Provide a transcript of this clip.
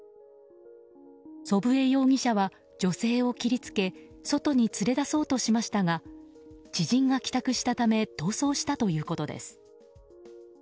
祖父江容疑者は女性を切り付け外に連れ出そうとしましたが知人が帰宅したため逃走したということです。